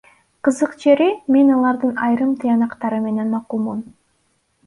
Кызык жери, мен алардын айрым тыянактары менен макулмун.